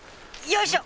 よいしょ！